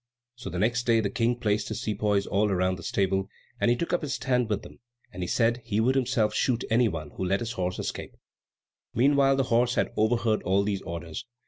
So the next day the King placed his sepoys all round the stable, and he took up his stand with them; and he said he would himself shoot any one who let his horse escape. Meanwhile the horse had overheard all these orders.